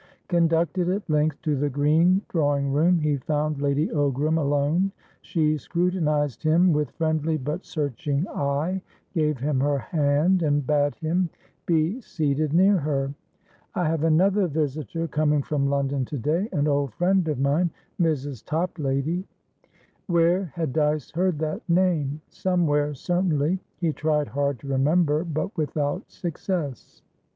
Conducted at length to the green drawing room, he found Lady Ogram alone. She scrutinised him with friendly but searching eye, gave him her hand, and bade him be seated near her. "I have another visitor coming from London to day; an old friend of mine, Mrs. Toplady." Where had Dyce heard that name? Somewhere, certainly. He tried hard to remember, but without success.